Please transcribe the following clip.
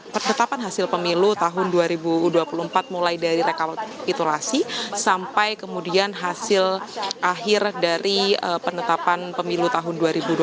pertetapan hasil pemilu tahun dua ribu dua puluh empat mulai dari rekapitulasi sampai kemudian hasil akhir dari penetapan pemilu tahun dua ribu dua puluh